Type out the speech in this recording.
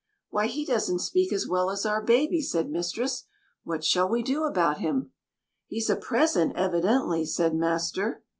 "Why, he doesn't speak as well as our baby," said mistress. "What shall we do about him?" "He's a present, evidently," said master.